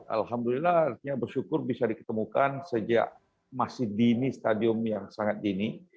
alhamdulillah artinya bersyukur bisa diketemukan sejak masih dini stadium yang sangat dini